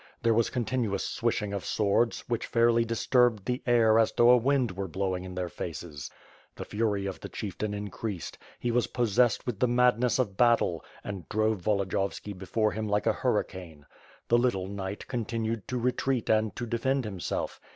There was continuous swishiug of swords, which fairly dis turbed the air as though a wind were blowing in their faces. The fury of the chieftain increased; he was possessed with the madness of battle, and drove Volodiyovski before him like a hurricane. The little knight continued to retreat and to defend himself.